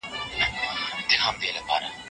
له کوره بهر د زده کړي لپاره لګښت نه کېږي.